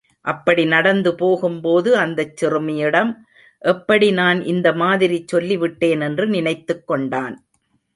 அப்படி நடந்து போகும்போது அந்தச் சிறுமியிடம் எப்படி நான் இந்த மாதிரிச் சொல்லி விட்டேன் என்று நினைத்துக் கொண்டான்.